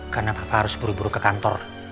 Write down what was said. karena papa harus buru buru ke kantor